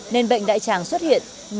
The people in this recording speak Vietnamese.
nên bệnh đại tràng xuất hiện